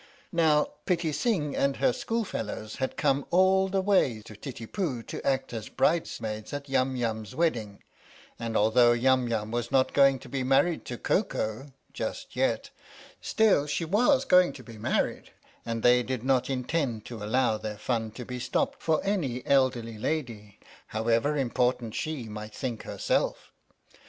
Now Pitti Sing and her school fellows had come all, the way to Titipu to act as brides maids at Yum Yum's wedding, and although Yum Yum was not go ing to be married to Koko (just yet) still she was going to be married, and they did not intend to allow their fun to be stopped for any elderly lady, however important she might think herself.